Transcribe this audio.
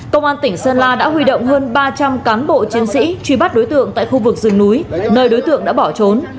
công an tỉnh sơn la đã huy động hơn ba trăm linh cán bộ chiến sĩ truy bắt đối tượng tại khu vực rừng núi nơi đối tượng đã bỏ trốn